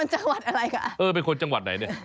จังหวัดอะไรคะเออเป็นคนจังหวัดไหนเนี่ย